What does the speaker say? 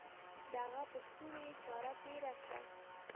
د هغه پر ستوني يې چاړه تېره کړه.